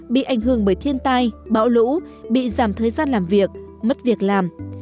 bị ảnh hưởng bởi thiên tai bão lũ bị giảm thời gian làm việc mất việc làm